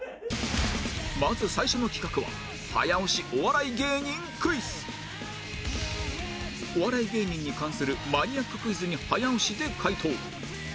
まず最初の企画はお笑い芸人に関するマニアッククイズに早押しで回答